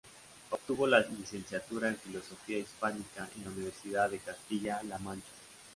Obtuvo la Licenciatura en Filología Hispánica en la Universidad de Castilla-La Mancha.